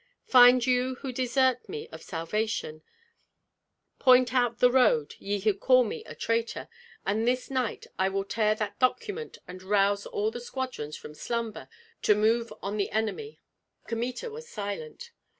Find you who desert me means of salvation; point out the road, ye who call me a traitor, and this night I will tear that document and rouse all the squadrons from slumber to move on the enemy." Kmita was silent.